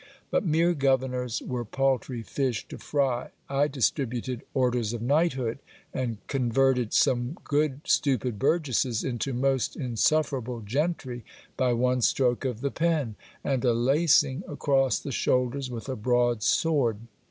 But mere governors were paltry fish to fry ; I distributed orders of knighthood, and converted some good stupid burgesses into most insufferable gentry by one stroke of the pen, and a lacing across the shoulders with a broad sword.